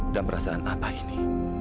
dan perasaan apa ini